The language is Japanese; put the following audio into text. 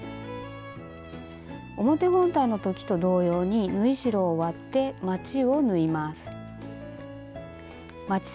表本体の時と同様に縫い代を割ってまちを縫います。